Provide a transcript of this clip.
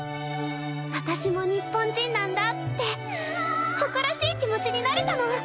私も日本人なんだって誇らしい気持ちになれたの。